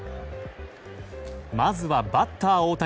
まずはバッター大谷。